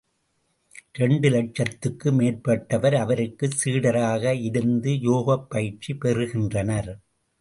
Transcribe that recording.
இரண்டு இலட்சத்துக்கு மேற்பட்டவர் அவருக்குச் சீடராக இருந்து யோகப் பயிற்சி பெறுகின்றனர்.